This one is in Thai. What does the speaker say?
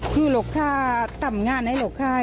คือหลักข้าตำงานไอ้หลักข้า